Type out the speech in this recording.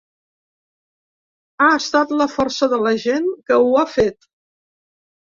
Ha estat la força de la gent que ho ha fet.